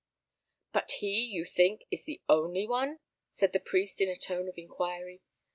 "But he, you think, is the only one?" said the priest, in a tone of inquiry.